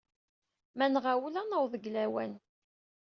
Ma nɣawel, ad naweḍ deg lawan.